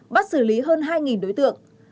bắt xử lý hơn hai đối tượng